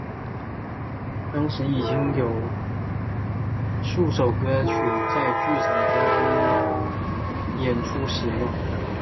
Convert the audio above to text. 当时已经有数首歌曲在剧场公演中使用。